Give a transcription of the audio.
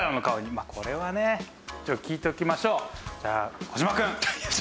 まあこれはね。一応聞いておきましょう。